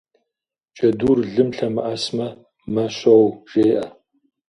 Джэдур лым лъэмыӀэсмэ «мэ щоу» жеӀэ.